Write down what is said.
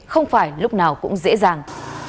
không phải lúc nào cũng dễ dàng